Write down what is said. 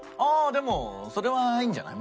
でもそれはいいんじゃない？